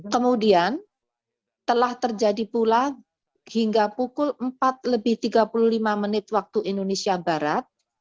kemudian telah terjadi pula hingga pukul empat lebih tiga puluh lima menit waktu indonesia barat